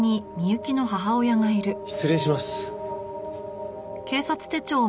失礼します。